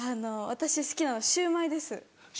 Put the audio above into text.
私好きなのシューマイです。